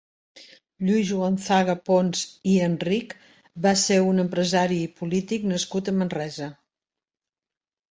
Lluís Gonzaga Pons i Enrich va ser un empresari i polític nascut a Manresa.